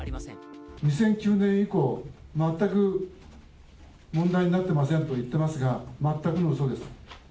２００９年以降、全く問題になってませんと言ってますが、全くのうそです。